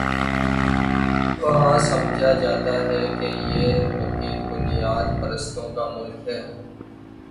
وہاں سمجھا جاتا ہے کہ یہ ایک بنیاد پرستوں کا ملک ہے۔